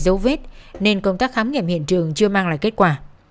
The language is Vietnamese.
dấu vết nên công tác khám nghiệm hiện trường chưa mang lại kết quả